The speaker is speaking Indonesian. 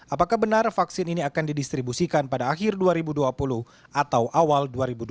apakah benar vaksin ini akan didistribusikan pada akhir dua ribu dua puluh atau awal dua ribu dua puluh